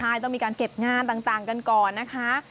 ใช่ต้องมีการเก็บงานต่างกันก่อนนะคะ